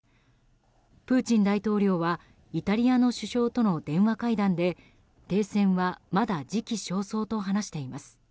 プーチン大統領はイタリアの首相との電話会談で停戦はまだ時期尚早と話しています。